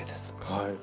はい。